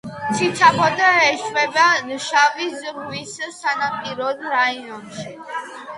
ციცაბოდ ეშვება შავი ზღვის სანაპირო რაიონში.